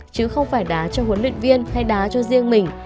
chứ không phải đá cho huấn luyện viên hay đá cho riêng mình